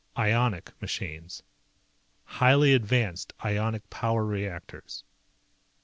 Ionic machines. Highly advanced ionic power reactors.